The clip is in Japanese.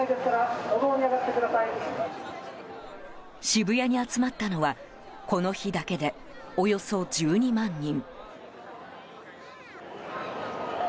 渋谷に集まったのはこの日だけで、およそ１２万人。